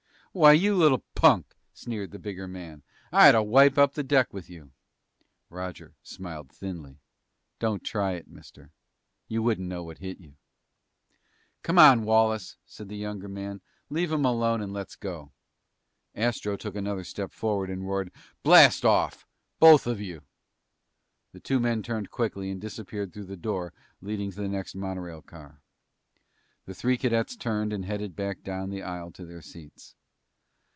"Why, you little punk," sneered the bigger man, "I oughta wipe up the deck with you!" Roger smiled thinly. "Don't try it, mister. You wouldn't know what hit you!" "Come on, Wallace," said the smaller man. "Leave 'em alone and let's go." Astro took another step forward and roared, "Blast off. Both of you!" The two men turned quickly and disappeared through the door leading to the next monorail car. The three cadets turned and headed back down the aisle to their seats.